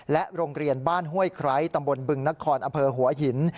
โรงเรียนบ้านห้วยไคร้ตำบลบึงนครอำเภอหัวหิน